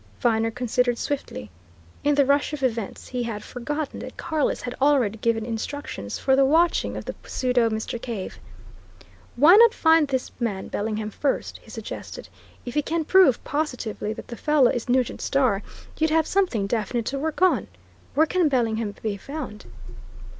Viner considered swiftly. In the rush of events he had forgotten that Carless had already given instructions for the watching of the pseudo Mr. Cave. "Why not find this man Bellingham first?" he suggested. "If he can prove, positively, that the fellow is Nugent Starr, you'd have something definite to work on. Where can Bellingham be found?"